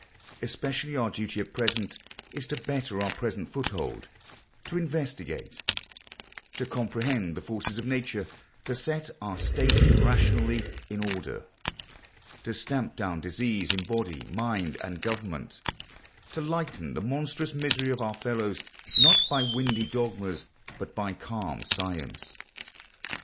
Especially our duty at present is to better our present foothold; to investigate; to comprehend the forces of nature; to set our state rationally in order; to stamp down disease in body, mind, and government; to lighten the monstrous misery of our fellows, not by windy dogmas, but by calm science.